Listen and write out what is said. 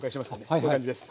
こういう感じです。